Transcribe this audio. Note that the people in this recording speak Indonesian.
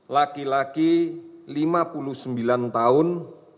lima puluh laki laki lima puluh sembilan tahun